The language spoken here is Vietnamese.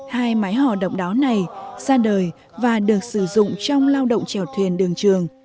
hai mái hò động đáo này ra đời và được sử dụng trong lao động trèo thuyền đường trường